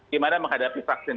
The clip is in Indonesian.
gimana menghadapi vaksin